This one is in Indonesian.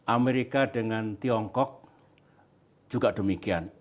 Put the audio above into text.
amerika dengan tiongkok juga demikian